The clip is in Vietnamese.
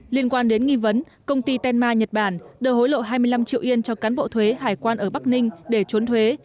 liên quan đến nghi vấn công ty tenma nhật bản đều hối lộ hai mươi năm triệu yên cho cán bộ thuế hải quan ở bắc ninh để trốn thuế